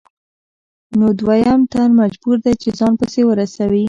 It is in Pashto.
نو دویم تن مجبور دی چې ځان پسې ورسوي